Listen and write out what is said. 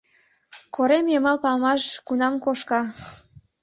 Корем йымал памаш кунам кошка